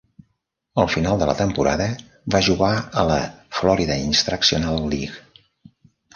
Al final de la temporada, va jugar a la Florida Instructional League.